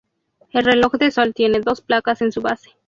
El reloj de sol tiene dos placas en su base.